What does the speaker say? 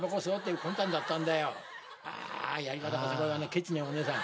ケチねお姉さん。